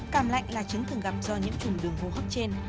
cảm lạnh là chứng thường gặp do nhiễm trùng đường hô hấp trên